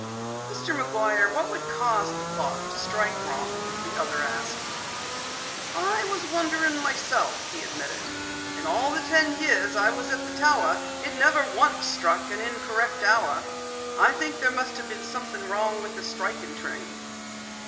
"Mr. McGuire, what would cause the clock to strike wrong?" the other asked. "I was wondering myself," he admitted. "In all the ten years I was at the tower, it never once struck an incorrect hour. I think that there must have been something wrong with the striking train."